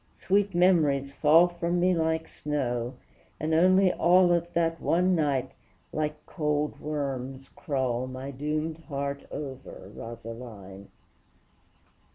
sweet memories fall From me like snow, and only all Of that one night, like cold worms crawl My doomed heart over, Rosaline!